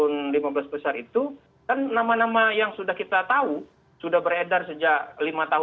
yang baik lima besar sepuluh besar maupun lima belas besar itu kan nama nama yang sudah kita tahu sudah beredar sejak lima tahun lalu